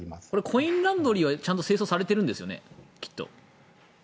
コインランドリーはちゃんと清掃されているんですよね。